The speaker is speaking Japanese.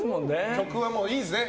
曲はもういいんですね。